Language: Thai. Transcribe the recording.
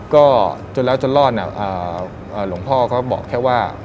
ก็จนแล้วจนรอดเนี่ยหลวงพ่อก็บอกแค่ว่า